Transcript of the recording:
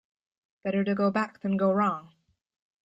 Better to go back than go wrong.